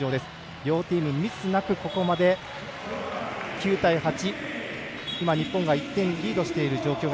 両チームミスなく、ここまで９対８、日本が１点リード。